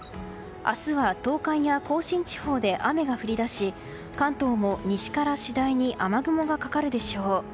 明日は東海や甲信地方で雨が降り出し関東も西から次第に雨雲がかかるでしょう。